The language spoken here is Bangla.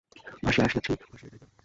ভাসিয়া আসিয়াছি, ভাসিয়া যাইতাম।